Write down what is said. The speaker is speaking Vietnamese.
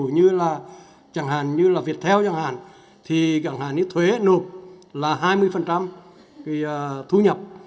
như là chẳng hạn như là việc theo chẳng hạn thì chẳng hạn như thuế nộp là hai mươi thu nhập